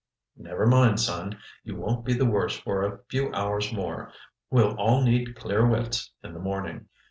"Never mind, son. You won't be the worse for a few hours more. We'll all need clear wits in the morning."